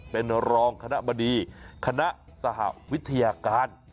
เป็นรองคณะบดีคณะสหวิทยาการ